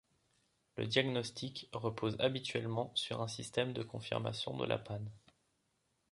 Le diagnostic repose habituellement sur un système de confirmation de la panne.